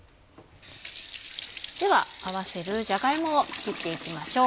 では合わせるじゃが芋を切っていきましょう。